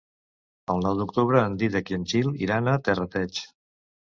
El nou d'octubre en Dídac i en Gil iran a Terrateig.